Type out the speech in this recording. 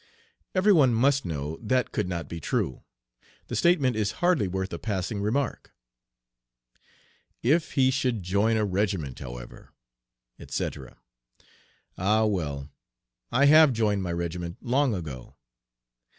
Every one must know that could not be true. The statement is hardly worth a passing remark. "If he should join a regiment, however," etc. Ah! well, I have joined my regiment long ago.